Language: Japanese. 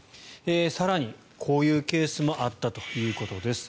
更に、こういうケースもあったということです。